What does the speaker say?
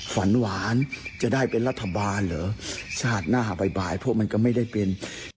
หวานจะได้เป็นรัฐบาลเหรอชาติหน้าบ่ายพวกมันก็ไม่ได้เป็น